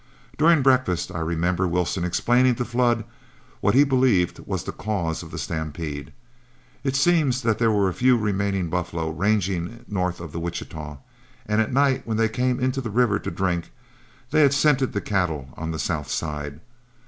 During breakfast, I remember Wilson explaining to Flood what he believed was the cause of the stampede. It seems that there were a few remaining buffalo ranging north of the Wichita, and at night when they came into the river to drink they had scented the cattle on the south side.